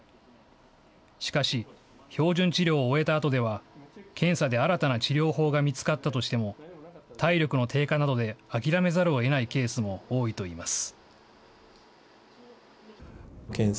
しかし、標準治療を終えたあとでは、検査で新たな治療法が見つかったとしても、体力の低下などで諦めざるをえないケースも多いといいます。